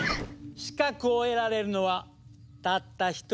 資格を得られるのはたった１人よ。